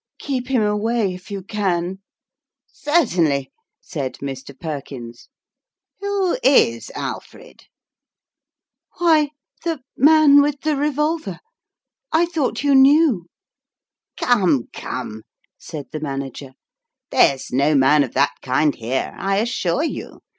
" Keep him away, if you can !"" Certainly !" said Mr. Perkins. " Who is Alfred ?" 186 QTonrmalin's <ime l)cqucs. " Why, the man with the revolver. I thought you knew !"" Come, come," said the Manager, " there's no man of that kind here, I assure you.